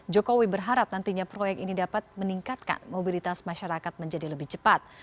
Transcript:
jokowi berharap nantinya proyek ini dapat meningkatkan mobilitas masyarakat menjadi lebih cepat